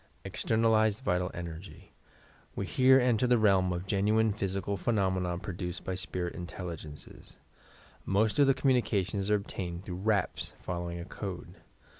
EXTERNALIZED VIT41> ENERGT We here enter the realm of genuine physical phe nomena produced by spirit intelligencea. Most of the communications arc obtained through raps, following a code.